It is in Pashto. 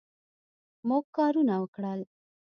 موږ کارونه وکړل